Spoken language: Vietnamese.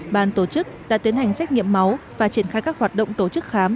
ban tổ chức đã tiến hành xét nghiệm máu và triển khai các hoạt động tổ chức khám